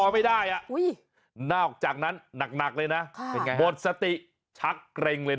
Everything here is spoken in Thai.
ไม่ใช่แบบนั้น